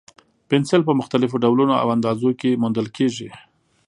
پنسل په مختلفو ډولونو او اندازو کې موندل کېږي.